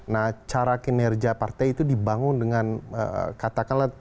nah cara kinerja partai itu dibangun dengan katakanlah tanda kutip ya semangat yang sangat koruptif